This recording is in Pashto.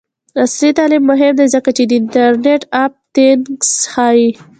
عصري تعلیم مهم دی ځکه چې د انټرنټ آف تینګز ښيي.